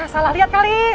salah lihat kali